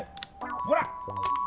ほら。